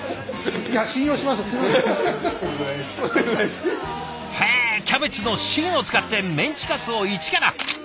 へえキャベツの芯を使ってメンチカツをイチから？